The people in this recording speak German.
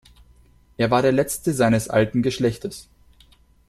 Er war der Letzte seines alten Geschlechtes.